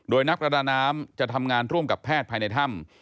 โดยนักประดาน้ำจะทำงานร่วมกับแพทย์ภายในถ้ำ